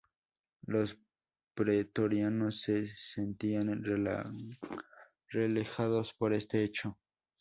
Los pretorianos se sentían relegados por este hecho.